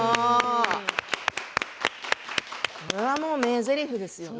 これはもう名ぜりふですよね。